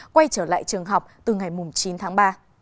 quay trở lại trường học từ ngày chín tháng ba